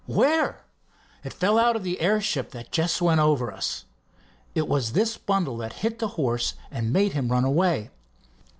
"Where?" "It fell out of that airship that just went over us. It was this bundle that hit the horse and made him run away."